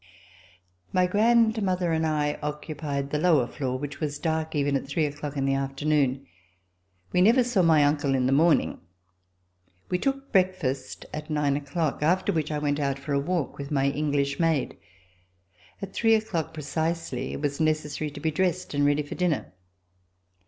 My grandmother and I occupied the lower floor, which was dark even at three o'clock in the afternoon. We never saw my uncle in the morning. We took breakfast at nine o'clock, after which I went out for a walk with my English maid. At three o'clock precisely, it was necessary to be dressed and ready for dinner.